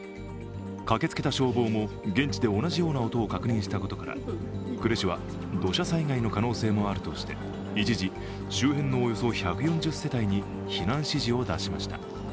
駆けつけた消防も現地で同じような音を確認したことから、呉市は、土砂災害の可能性もあるとして、一時周辺のおよそ１４０世帯に避難指示を出しました。